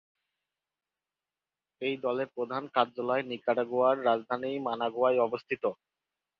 এই দলের প্রধান কার্যালয় নিকারাগুয়ার রাজধানী মানাগুয়ায় অবস্থিত।